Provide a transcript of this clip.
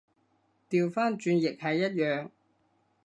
掉返轉亦係一樣